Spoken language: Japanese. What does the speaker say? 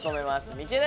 道枝